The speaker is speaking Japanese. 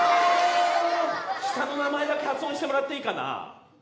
下の名前だけ発音してもらっていいかな？